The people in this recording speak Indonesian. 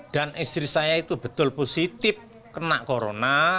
dan istri saya itu betul positif kena corona